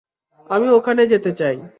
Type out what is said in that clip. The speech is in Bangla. আমি ওখানে যেতে চাই।